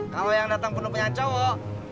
kalau yang datang penumpangnya cowok